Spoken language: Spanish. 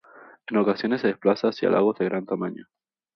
En ocasiones se desplaza hacia lagos de gran tamaño.